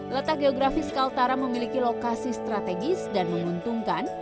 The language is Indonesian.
letak geografis kaltara memiliki lokasi strategis dan menguntungkan